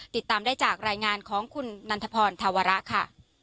ติดตามได้จากรายงานของคุณนันทพรธวระค่ะ